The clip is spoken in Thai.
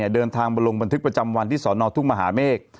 เดินทางมาลงบันทึกประจำวันที่สอนอทุ่งมหาเมฆ